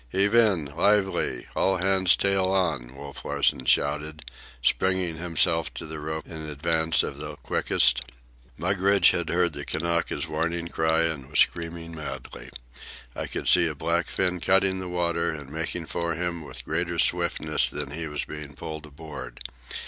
"Heave in! Lively! All hands tail on!" Wolf Larsen shouted, springing himself to the rope in advance of the quickest. Mugridge had heard the Kanaka's warning cry and was screaming madly. I could see a black fin cutting the water and making for him with greater swiftness than he was being pulled aboard.